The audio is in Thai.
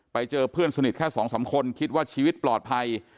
ไปเจอเพื่อนสนิทแค่๒๓คนคิดว่าชีวิตปลอดภัย